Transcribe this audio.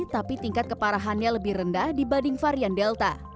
tapi tingkat keparahannya lebih rendah dibanding varian delta